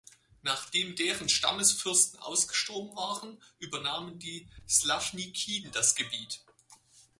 Nachdem deren Stammesfürsten ausgestorben waren, übernahmen die Slavnikiden das Gebiet.